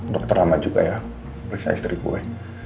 dokter lama juga ya periksa istri gue